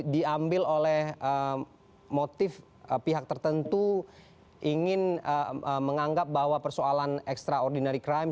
diambil oleh motif pihak tertentu ingin menganggap bahwa persoalan extraordinary crime